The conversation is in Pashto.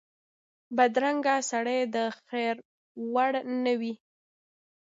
بدرنګه سړی د خیر وړ نه وي